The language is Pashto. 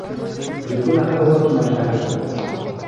بریکونه هر وخت معاینه کړه.